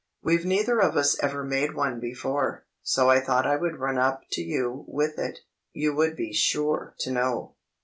We've neither of us ever made one before, so I thought I would run up to you with it; you would be sure to know."